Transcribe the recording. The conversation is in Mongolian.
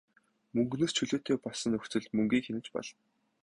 Мөнгөнөөс чөлөөтэй болсон нөхцөлд мөнгийг хянаж болно.